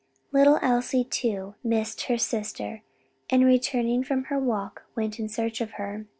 Little Elsie, too, missed her sister, and returning from her walk, went in search of her.